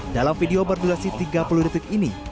dalam video berdurasi tiga puluh detik ini